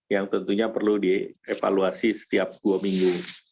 yang tentunya perlu dievaluasi setiap dua minggu